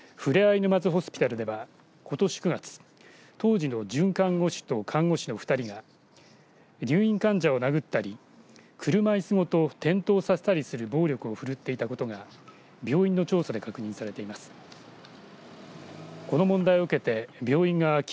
沼津ホスピタルではことし９月当時の准看護師と看護師の２人が入院患者を殴ったり車いすごと転倒させたりする暴力をふるっていたことが病院の調査で確認されています。